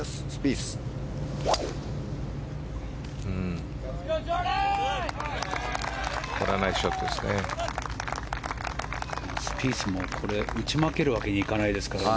スピースも打ち負けるわけにいかないですから。